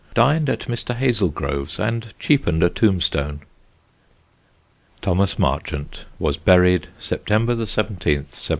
Dined at Mr. Hazelgrove's and cheapened a tombstone." Thomas Marchant was buried September 17, 1728.